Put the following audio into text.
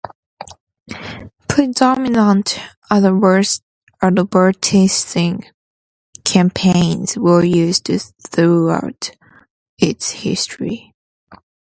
Predominant advertising campaigns were used throughout its history.